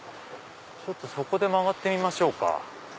そこで曲がってみましょうか。